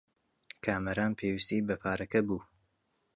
کامەران پێویستیی بە پارەکە بوو.